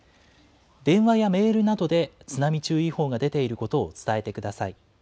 電話やメールなどで、津波注意報が出ていることを伝えてください。